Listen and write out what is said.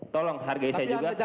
tolong hargai saya juga